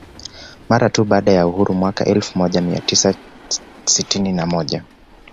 Mara tu baada ya uhuru mwaka elfu moja mia tisa sitini na moja